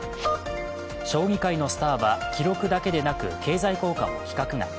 将棋界のスターは記録だけでなく、経済効果も規格外。